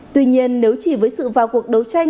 tuy nhiên nếu chỉ với sự vào cuộc đấu tranh